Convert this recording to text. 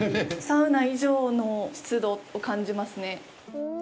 サウナ以上の湿度を感じますね。